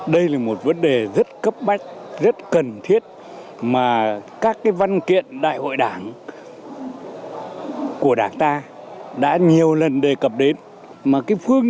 đây là một vấn đề rất cấp bách rất cần thiết mà các văn kiện đại hội đảng của đảng ta đã nhiều lần đề cập đến phương